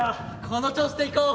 この調子でいこう。